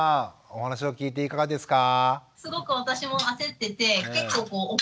お話を聞いていかがですか？